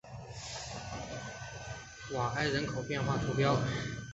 瓦埃人口变化图示